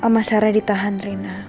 masalahnya ditahan riana